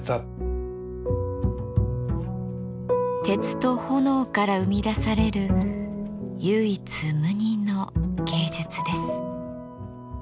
鉄と炎から生み出される唯一無二の芸術です。